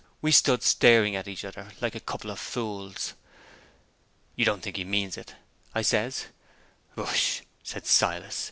We stood staring at each other like a couple of fools. 'You don't think he means it?' I says. 'Bosh!' says Silas.